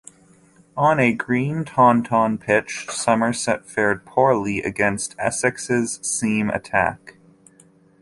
On a green Taunton pitch, Somerset fared poorly against Essex's seam attack.